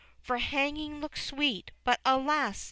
For hanging looks sweet, but, alas!